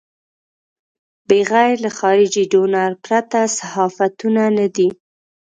بغیر له خارجي ډونر پرته صحافتونه نه دي.